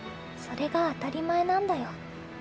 それが当たり前なんだよ。